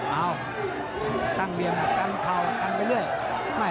เอาตั้งเบียงตั้งเข่าตั้งไปเรื่อย